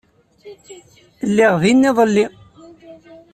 Lliɣ dinna iḍelli.